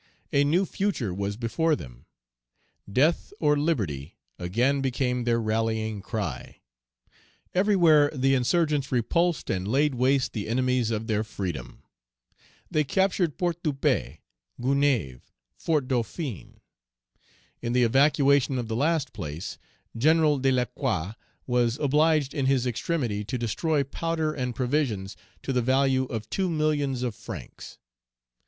A new future was before them. "Death or liberty!" again became their rallying cry. Everywhere the insurgents repulsed, and laid waste the enemies of their freedom. They captured Port de Paix, Gonaïves, Fort Dauphin. In the evacuation of the last place, General de Lacroix was obliged in his extremity to destroy powder and provisions to the value of two millions of francs.